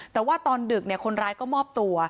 แต่ว่าตอนดึกคนร้ายก็มอบตัว